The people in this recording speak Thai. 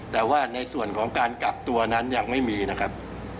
แต่ว่าในส่วนของการกักตัวนั้นยังไม่มีนะครับ